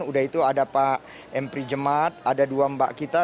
udah itu ada pak empri jemat ada dua mbak kita